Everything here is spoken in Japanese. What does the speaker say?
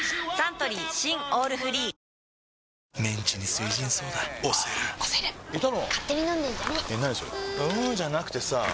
んーじゃなくてさぁ